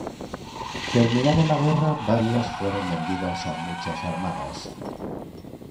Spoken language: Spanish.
Terminada la guerra varias fueron vendidas a muchas Armadas.